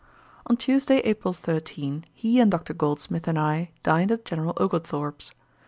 On Tuesday, April 13, he and Dr. Goldsmith and I dined at General Oglethorpe's.